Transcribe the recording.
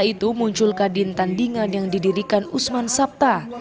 setelah itu muncul kadin tandingan yang didirikan usman sabta